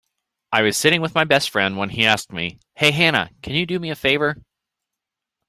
I was sitting with my best friend when he asked me, "Hey Hannah, can you do me a favor?"